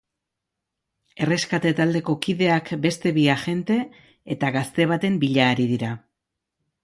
Erreskate taldeko kideak beste bi agente eta gazte baten bila ari dira.